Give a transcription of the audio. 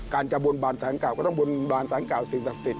การจะบนบานสารเก่าก็ต้องบนบานสารเก่าสิ่งศักดิ์สิทธ